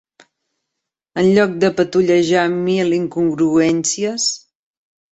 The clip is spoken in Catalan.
...en lloc de patollejar mil incongruències